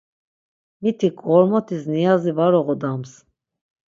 Mitik ğormotis niazi var oğodams.